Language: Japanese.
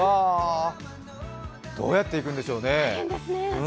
どうやって行くんでしょうね。